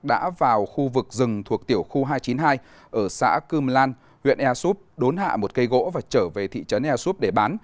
đã vào khu vực rừng thuộc tiểu khu hai trăm chín mươi hai ở xã cưm lan huyện air soup đốn hạ một cây gỗ và trở về thị trấn air soup để bán